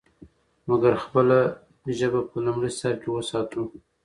مګر خپله ژبه په لومړي سر کې وساتو.